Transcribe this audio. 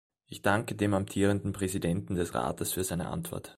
Ich danke dem amtierenden Präsidenten des Rates für seine Antwort.